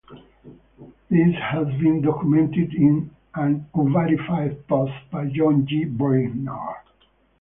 This has been documented in an unverified post by John G. Brainard.